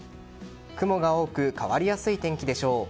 雲が多く変わりやすい天気でしょう。